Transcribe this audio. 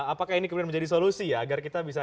apakah ini kemudian menjadi solusi ya agar kita bisa